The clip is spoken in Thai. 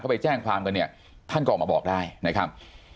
ไปแจ้งความกันเนี่ยท่านก็ออกมาบอกได้นะครับ